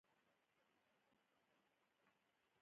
دا درې ورځنی روزنیز سیمینار دی، په کې ګډون وکړه.